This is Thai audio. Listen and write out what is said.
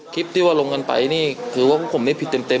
คลิปที่ว่าลงกันไปคือว่าผู้ของผมพี่ไม่ผิดเต็ม